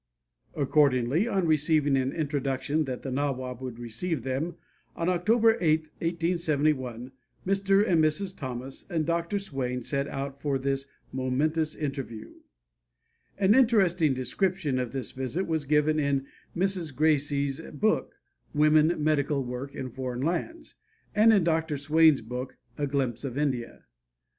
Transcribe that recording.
Accordingly, on receiving an intimation that the Nawab would receive them, on October 8, 1871, Mr. and Mrs. Thomas and Dr. Swain set out for this momentous interview. An interesting description of this visit is given in Mrs. Gracey's book, "Woman's Medical Work in Foreign Lands," and in Dr. Swain's book, "A Glimpse of India."